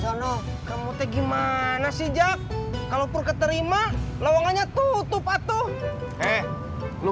sana kamu teh gimana sih jak kalau pur keterima lawangannya tutup atau eh lu